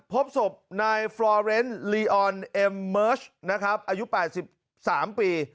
พบศพนายฟรอเรนต์ลีออนเอ็มเมิร์ชนะครับอายุแปดสิบสามปี